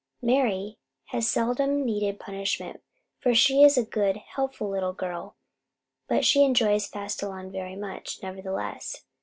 Mari has seldom needed punishment, for she is a good, helpful little girl; but she enjoys Fastilevn very much, nevertheless.